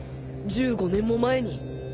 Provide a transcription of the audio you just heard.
１５年も前に